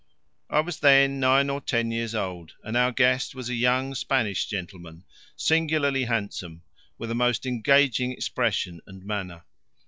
I was then nine or ten years old, and our guest was a young Spanish gentleman, singularly handsome, with a most engaging expression and manner.